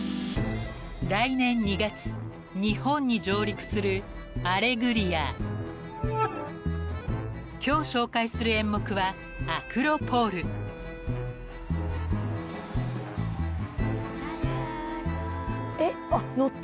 ［来年２月日本に上陸する『アレグリア』］［今日紹介する演目は］えっ！あっ乗ってる。